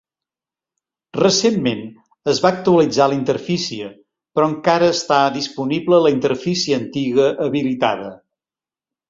Recentment es va actualitzar la interfície però encara està disponible la interfície antiga habilitada.